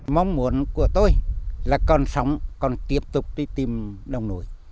mong muốn của tôi là còn sống còn tiếp tục đi tìm đồng nội